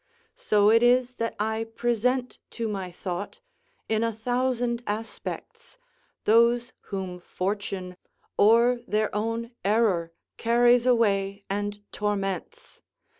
So it is that I present to my thought, in a thousand aspects, those whom fortune or their own error carries away and torments.